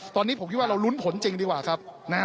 ตอนนี้ผมคิดว่าเรารุ้นผลจริงดีกว่าครับ